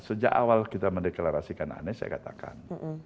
sejak awal kita mendeklarasikan anies saya katakan